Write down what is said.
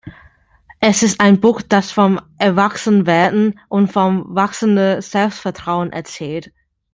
Es ist ein Buch das vom Erwachsenwerden und vom wachsenden Selbstvertrauen erzählt.